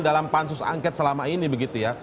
dalam pansus angket selama ini begitu ya